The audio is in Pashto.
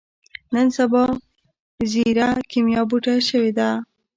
نن سبا ځيره کېميا بوټی شوې ده.